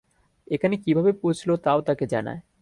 এখানে কিভাবে পৌঁছল তাও তাকে জানায়।